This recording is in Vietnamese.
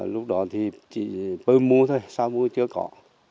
lúc đó thì chỉ pơ mưu thôi sa mưu chưa có